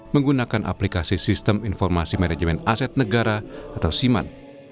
menggunakan aplikasi sistem informasi manajemen aset negara atau siman